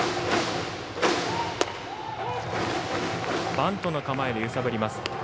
バントの構えで揺さぶります。